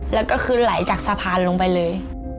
แล้วก็คือไหลจากสะพานลงไปเลย